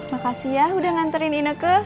makasih ya udah nganterin ineke